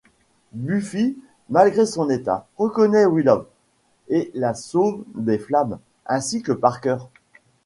Buffy, malgré son état, reconnaît Willow et la sauve des flammes, ainsi que Parker.